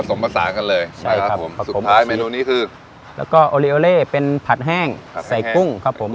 ผสานกันเลยใช่ครับผมสุดท้ายเมนูนี้คือแล้วก็โอเรียโอเล่เป็นผัดแห้งใส่กุ้งครับผม